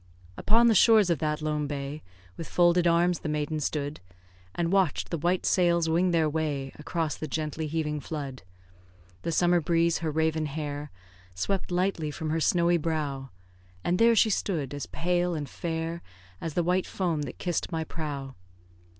Upon the shores of that lone bay, With folded arms the maiden stood; And watch'd the white sails wing their way Across the gently heaving flood. The summer breeze her raven hair Swept lightly from her snowy brow; And there she stood, as pale and fair As the white foam that kiss'd my prow.